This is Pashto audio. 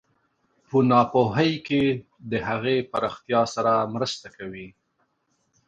په ناپوهۍ کې د هغې پراختیا سره مرسته کوي.